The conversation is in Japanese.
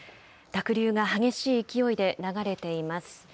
濁流が激しい勢いで流れています。